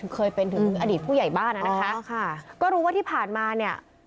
เคยเป็นถึงอดีตผู้ใหญ่บ้านนะคะก็รู้ว่าที่ผ่านมาเนี่ย